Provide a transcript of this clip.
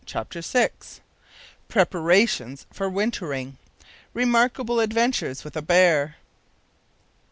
CHAPTER SIX. PREPARATIONS FOR WINTERING REMARKABLE ADVENTURES WITH A BEAR.